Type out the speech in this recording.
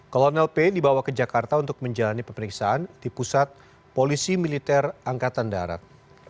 kolonel p dibawa ke jakarta untuk menjalani pemeriksaan di pusat polisi militer angkatan darat